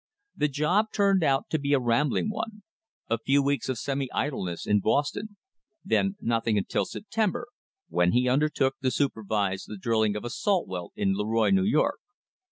The job turned out to be a rambling one a few weeks of semi idleness in Boston then nothing until September, when he undertook to supervise the drilling of a salt well in Leroy, New York.